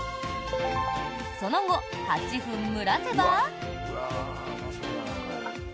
その後、８分蒸らせば。